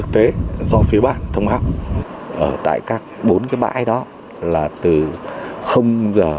một mươi năm tháng một mươi hai